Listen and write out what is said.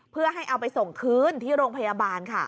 เพื่อให้เอาไปส่งคืนที่โรงพยาบาลค่ะ